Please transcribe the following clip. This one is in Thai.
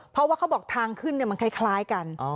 เพราะว่าเขาบอกทางขึ้นมันคล้ายกัน